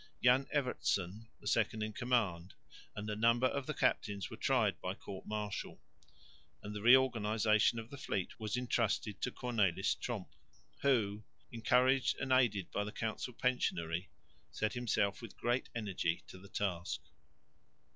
Jan Evertsen, the second in command, and a number of the captains were tried by court martial; and the reorganisation of the fleet was entrusted to Cornells Tromp, who, encouraged and aided by the council pensionary, set himself with great energy to the task.